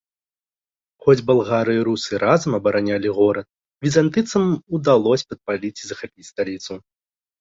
Хоць балгары і русы разам абаранялі горад, візантыйцам удалося падпаліць і захапіць сталіцу.